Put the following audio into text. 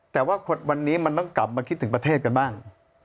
แต่ว่าวันนี้มันต้องกลับมาคิดถึงประเทศกันบ้าง